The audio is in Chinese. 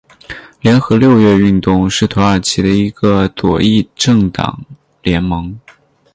联合六月运动是土耳其的一个左翼政党联盟。